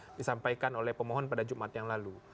yang disampaikan oleh pemohon pada jumat yang lalu